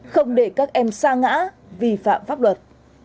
không để các em xa ngã vi phạm pháp luật